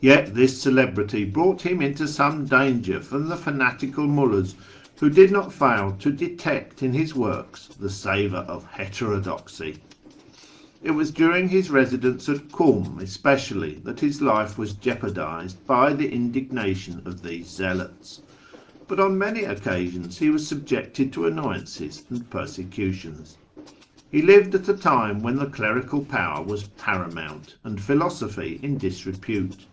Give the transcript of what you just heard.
Yet this celebrity brought him into some danger from the fanatical mvMds, who did not fail to detect in his works the savour of heterodoxy. It was during his residence at Kum especially that his life was jeopardised by the indignation of MYSTICISM, METAPHYSIC, AND MAGIC 131 these zealots, but on many occasions he was subjected to annoyances and persecutions. He lived at a time when the clerical power was paramount, and philosophy in disrepute.